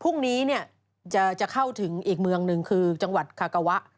พรุ่งนี้จะเข้าถึงอีกเมืองหนึ่งคือจังหวัดคากาวะ